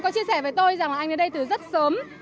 có chia sẻ với tôi rằng là anh đến đây từ rất sớm